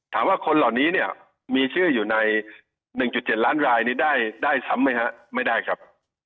ถามว่าคนเหล่านี้เนี่ยมีชื่ออยู่ใน๑๗ล้านรายนี้ได้ซ้ำไหมฮะไม่ได้ครับ